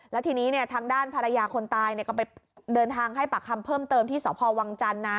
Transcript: แล้วทีนี้ทางด้านภรรยาคนตายก็ไปเดินทางให้ปากคำเพิ่มเติมที่สพวังจันทร์นะ